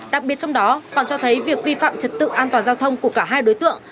đặc biệt trong đó còn cho thấy việc vi phạm trật tự an toàn giao thông của cả hai đối tượng